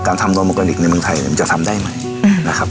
การทำอลกันนิกในเมืองไทยก็จะทำได้ไหมนะครับ